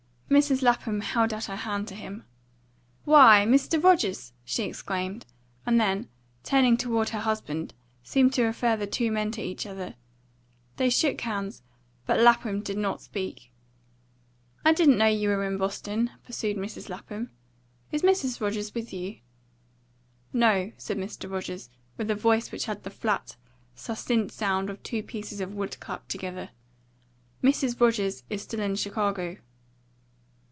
Mrs. Lapham held out her hand to him. "Why, Mr. Rogers!" she exclaimed; and then, turning toward her husband, seemed to refer the two men to each other. They shook hands, but Lapham did not speak. "I didn't know you were in Boston," pursued Mrs. Lapham. "Is Mrs. Rogers with you?" "No," said Mr. Rogers, with a voice which had the flat, succinct sound of two pieces of wood clapped together. "Mrs. Rogers is still in Chicago."